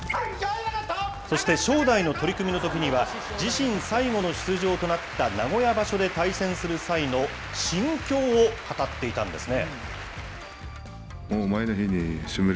そして正代の取組のときには、自身最後の出場となった名古屋場所で対戦する際の心境を語っていたんですね。